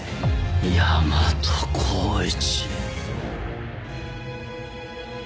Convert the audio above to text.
大和耕一！